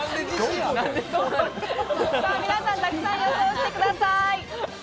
皆さんたくさん予想してください。